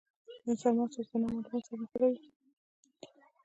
د انسان مغز ازادانه مالومات سره نښلوي.